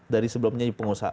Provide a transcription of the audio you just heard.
dari sebelumnya jadi pengusaha